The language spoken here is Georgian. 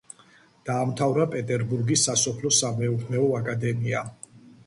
დაამთავრა პეტერბურგის სასოფლო-სამეურნეო აკადემია.